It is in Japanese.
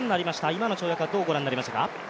今の跳躍はどうご覧になりますか？